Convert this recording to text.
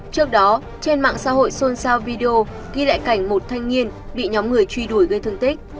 trước đó trên mạng xã hội xôn xao video ghi lại cảnh một thanh niên bị nhóm người truy đuổi gây thương tích